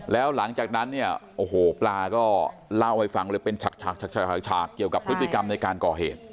แล้วหลังจากนั้นเนี่ยโอ้โหปลาก็เล่าให้ฟังเลยเป็นฉากเกี่ยวกับพฤติกรรมในการก่อเหตุ